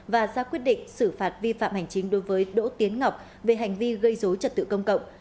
và ra quyết định xử phạt vi phạm hành chính đối với đỗ tiến ngọc về hành vi gây dối trật tự công cộng